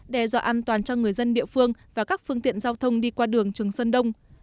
đe dọa an toàn cho người dân địa phương và các phương tiện giao thông đi qua đường trường sơn đông